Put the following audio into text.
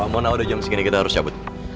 mona udah jam segini kita harus cabut